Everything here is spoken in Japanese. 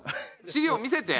資料見せて。